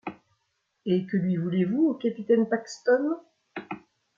Et que lui voulez-vous, au capitaine Paxton ?...